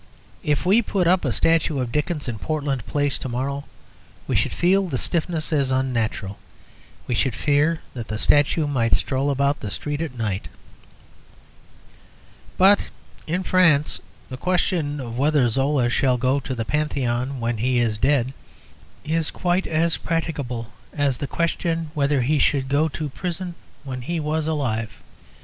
If we put up a statue of Dickens in Portland Place to morrow we should feel the stiffness as unnatural. We should fear that the statue might stroll about the street at night. But in France the question of whether Zola shall go to the Panthéon when he is dead is quite as practicable as the question whether he should go to prison when he was alive.